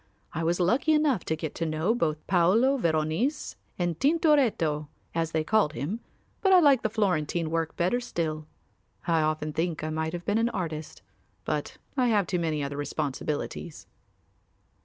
I was lucky enough to get to know both Paolo Veronese and Tintoretto as they called him, but I like the Florentine work better still. I often think I might have been an artist, but I have too many other responsibilities."